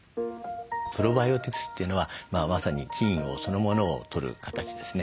プロバイオティクスというのはまさに菌をそのものをとる形ですね。